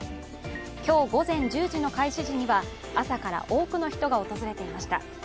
今日午前１０時の開始時には朝から多くの人が訪れていました。